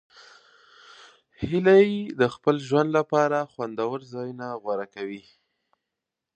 هیلۍ د خپل ژوند لپاره خوندور ځایونه غوره کوي